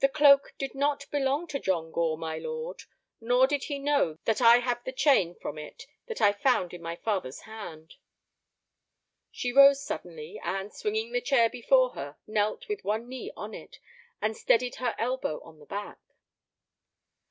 "The cloak did not belong to John Gore, my lord. Nor did he know that I have the chain from it that I found in my father's hand." She rose suddenly, and, swinging the chair before her, knelt with one knee on it and steadied her elbow on the back.